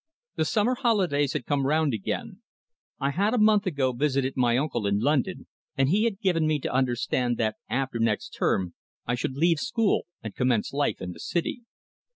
The summer holidays had come round again. I had a month ago visited my uncle in London, and he had given me to understand that after next term I should leave school and commence life in the City.